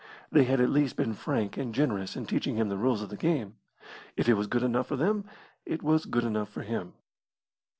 They had at least been frank and generous in teaching him the rules of the game. If it was good enough for them it was good enough for him.